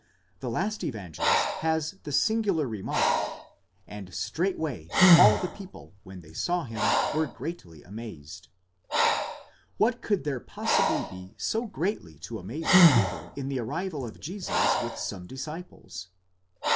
The last Evangelist has the singular remark: And straightway all the people, when they saw him, were greatly amazed. What could there possibly be so greatly to amaze the people in the arrival of Jesus with some disciples